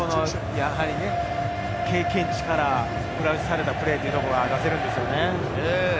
経験値から裏打ちされたプレーが出せるんですよね。